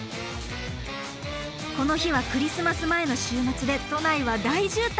この日はクリスマス前の週末で都内は大渋滞。